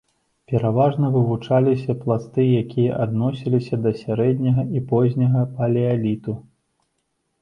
Пераважна вывучаліся пласты, якія адносіліся да сярэдняга і позняга палеаліту.